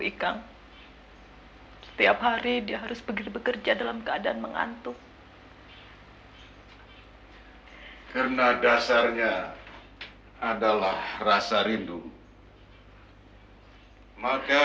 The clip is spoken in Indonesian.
tidak bisa tidur lagi setelahnya